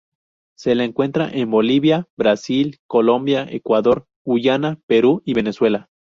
Se la encuentra en Bolivia, Brasil, Colombia, Ecuador, Guyana, Perú, y Venezuela.